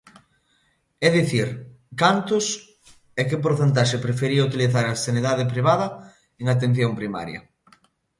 É dicir, ¿cantos e que porcentaxe prefería utilizar a sanidade privada en atención primaria?